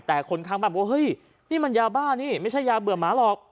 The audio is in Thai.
แต่คนข้างบ้านว่าเฮ้ยนี่มันยาบ้านี่ไม่ใช่ยาเบื่อหมาหรอก